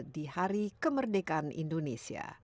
di hari kemerdekaan indonesia